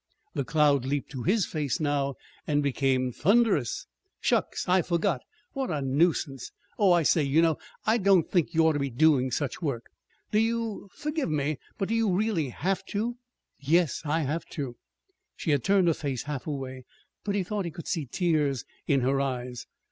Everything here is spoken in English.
The cloud leaped to his face now and became thunderous. "Shucks! I forgot. What a nuisance! Oh, I say, you know, I don't think you ought to be doing such work. Do you forgive me, but do you really have to?" "Yes, I have to." She had turned her face half away, but he thought he could see tears in her eyes.